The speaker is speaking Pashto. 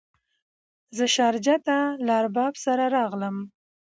زه شارجه ته له ارباب سره راغلم.